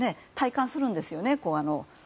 戴冠するんですよね